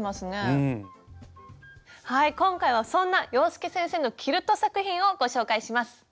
今回はそんな洋輔先生のキルト作品をご紹介します。